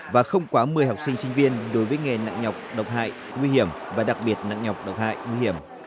và không quá một mươi học sinh sinh viên đối với nghề nặng nhọc độc hại nguy hiểm và đặc biệt nặng nhọc độc hại nguy hiểm